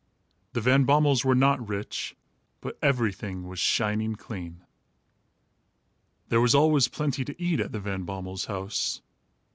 The Van Bommels were not rich, but everything was shining clean. There was always plenty to eat at the Van Bommels' house.